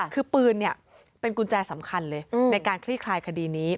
คือปืนเป็นกุญแจสำคัญเลยในการคลี่คลายคดีนี้